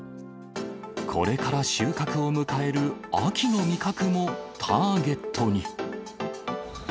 これから収穫を迎える秋の味覚もターゲットに。